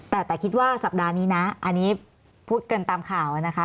แต่คิดว่าสัปดาห์นี้นะอันนี้พูดกันตามข่าวนะคะ